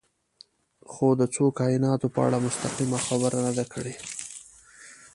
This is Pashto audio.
خو د څو کایناتونو په اړه مستقیمه خبره نه ده کړې.